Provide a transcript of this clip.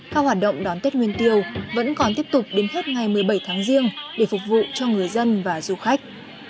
các hoạt động đón tết nguyên tiêu vẫn còn tiếp tục đến hết ngày một mươi bảy tháng riêng để phục vụ cho người dân và du khách